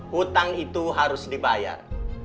hutang itu harus dibayar